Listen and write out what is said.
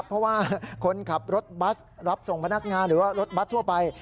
เพราะว่าคนขับรถบัสรับส่งพนักงานหรือว่ารถบัสทั่วไป